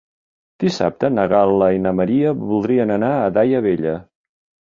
Dissabte na Gal·la i na Maria voldrien anar a Daia Vella.